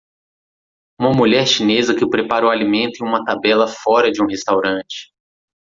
Uma mulher chinesa que prepara o alimento em uma tabela fora de um restaurante.